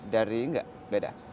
dari enggak beda